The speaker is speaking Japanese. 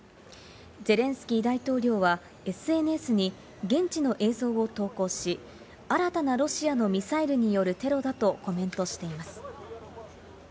ゼレンスキー大統領はＳＮＳに現地の映像を投稿し、新たなロシアのミサイルによるテロだとコメントしています。